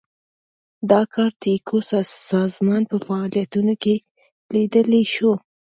دا کار د ایکو سازمان په فعالیتونو کې لیدلای شو.